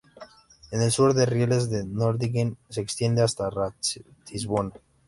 En el sur el Ries de Nördlingen se extiende hasta Ratisbona.